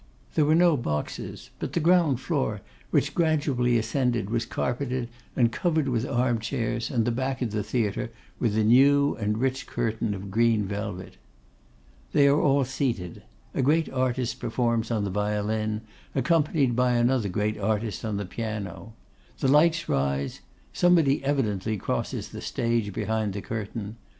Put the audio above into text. There were no boxes, but the ground floor, which gradually ascended, was carpeted and covered with arm chairs, and the back of the theatre with a new and rich curtain of green velvet. They are all seated; a great artist performs on the violin, accompanied by another great artist on the piano. The lights rise; somebody evidently crosses the stage behind the curtain.